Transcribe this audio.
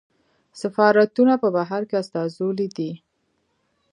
سفارتونه په بهر کې استازولۍ دي